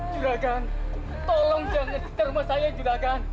juragan tolong jangan ke rumah saya juragan